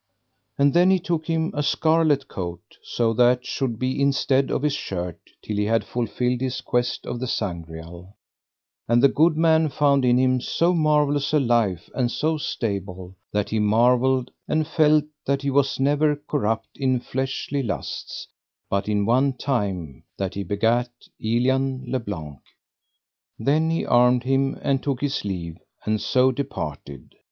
And then he took him a scarlet coat, so that should be instead of his shirt till he had fulfilled the quest of the Sangreal; and the good man found in him so marvellous a life and so stable, that he marvelled and felt that he was never corrupt in fleshly lusts, but in one time that he begat Elian le Blank. Then he armed him, and took his leave, and so departed.